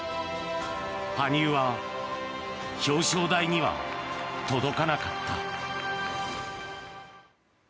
羽生は表彰台には届かなかった。